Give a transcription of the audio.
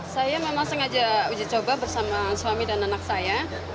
saya memang sengaja uji coba bersama suami dan anak saya